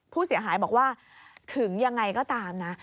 ผู้เสียหายบอกว่าถึงยังไงก็ตามนะ